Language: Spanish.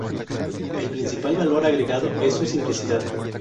El principal valor agregado es su "simplicidad".